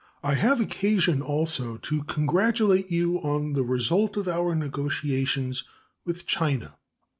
I have occasion also to congratulate you on the result of our negotiations with China.